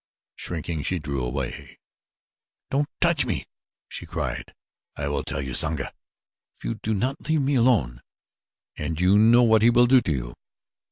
Shrinking, she drew away. "Do not touch me!" she cried. "I will tell Usanga if you do not leave me alone, and you know what he will do to you."